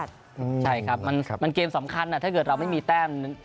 ใช่ครับมันเกมสำคัญถ้าเกิดเราไม่มีแต้ม